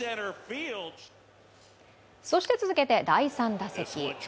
そして続けて第３打席。